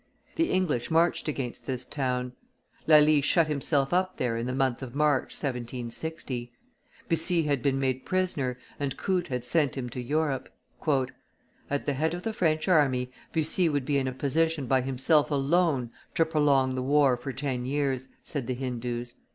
The English marched against this town. Lally shut himself up there in the month of March, 1760. Bussy had been made prisoner, and Coote had sent him to Europe. "At the head of the French army Bussy would be in a position by himself alone to prolong the war for ten years," said the Hindoos.